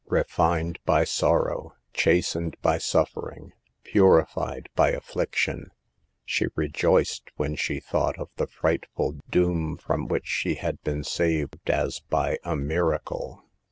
Refined by sorrow, chastened by suffering, purified by affliction, she rejoiced when she thought of the frightful doom from which she had been saved as by a miracle.